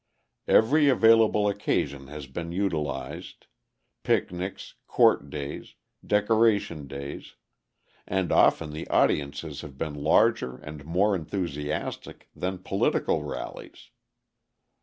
Every available occasion has been utilised: picnics, court days, Decoration Days: and often the audiences have been larger and more enthusiastic than political rallies.